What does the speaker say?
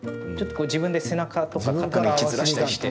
自分で背中とか肩の位置ずらしたりして。